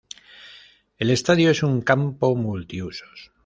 El estadio es un campo multiusos.